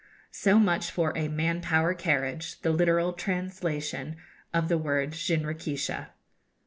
So much for a 'man power carriage,' the literal translation of the word jinrikisha.